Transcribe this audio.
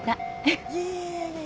えっ？